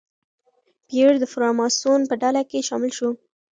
پییر د فراماسون په ډله کې شامل شو.